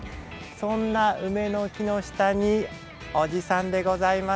そんな梅の木の下におじさんでございます。